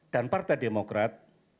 dan partai demokrat